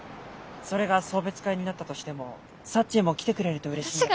それが送別会になったとしてもサッチーも来てくれるとうれしい。